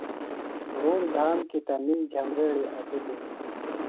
دُھوم دھام کی تنِم جھبریڑیۡ اٹِلیۡ۔